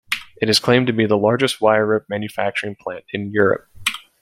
It is claimed to be the largest wire rope manufacturing plant in Europe.